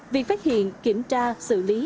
việc phát hiện kiểm tra xử lý